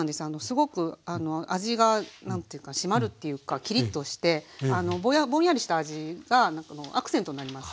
すごく味が何て言うか締まるっていうかキリッとしてぼんやりした味がアクセントになります。